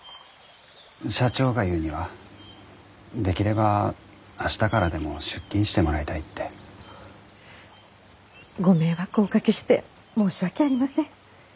社長が言うには「できれば明日からでも出勤してもらいたい」って。ご迷惑をおかけして申し訳ありません。